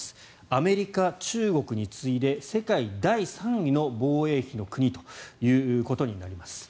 アメリカ、中国に次いで世界第３位の防衛費の国ということになります。